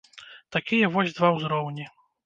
Такія вось два ўзроўні.